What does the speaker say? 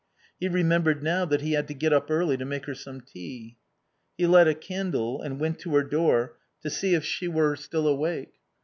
He remembered now that he had to get up early to make her some tea. He lit a candle and went to her door to see if she were still awake.